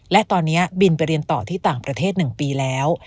และตอนนี้บินไปเรียนต่อที่ต่างประเทศ๑ปีแล้ว